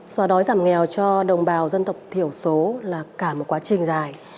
xóa đói giảm nghèo cho đồng bào dân tộc thiểu số là cả một quá trình dài